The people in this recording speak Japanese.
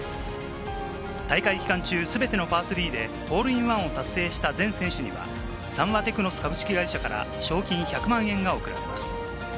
大会期間中、全てのパー３でホールインワンを達成した全選手にはサンワテクノス株式会社から賞金１００万円が贈られます。